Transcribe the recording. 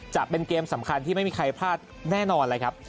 จะเป็นเกมสำคัญที่ไม่มีใครพลาดแน่นอนเลยครับ